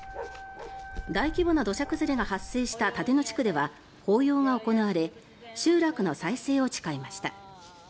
大規模な土砂崩れが発生した立野地区では法要が行われ集落の再生を誓いました。